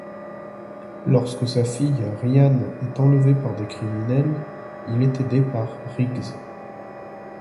Lorsque sa fille Rianne est enlevée par des criminels, il est aidé par Riggs.